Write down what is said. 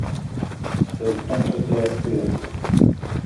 They conquered their fear.